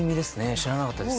知らなかったです。